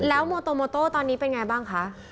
แล้วโมโตโมโต้ตอนนี้เป็นไงบ้างคะ